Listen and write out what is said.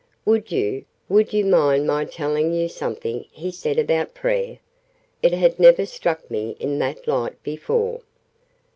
Would you would you mind my telling you something he said about prayer? It had never struck me in that light before."